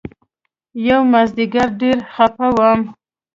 يومازديگر ډېر خپه وم.